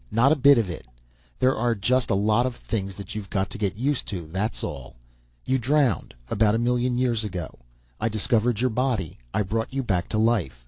Not a bit of it! There are just a lot of things that you've got to get used to, that's all. You drowned about a million years ago. I discovered your body. I brought you back to life.